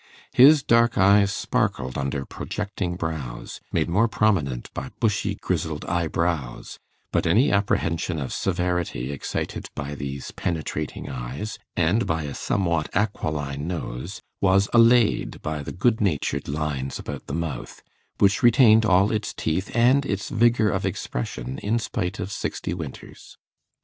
His dark eyes sparkled under projecting brows, made more prominent by bushy grizzled eyebrows; but any apprehension of severity excited by these penetrating eyes, and by a somewhat aquiline nose, was allayed by the good natured lines about the mouth, which retained all its teeth and its vigour of expression in spite of sixty winters.